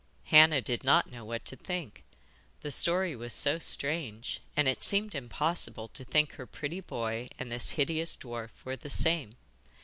Hannah did not know what to think the story was so strange; and it seemed impossible to think her pretty boy and this hideous dwarf were the same.